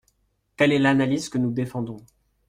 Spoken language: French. Telle est l’analyse que nous défendons.